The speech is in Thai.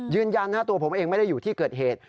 ยืนยันตัวผมเองไม่ได้อยู่ที่เกิดเหตุ